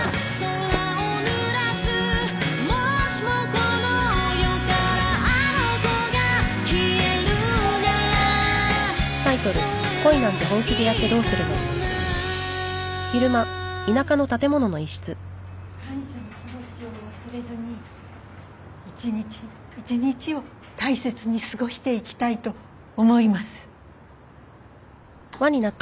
感謝の気持ちを忘れずに一日一日を大切に過ごしていきたいと思います。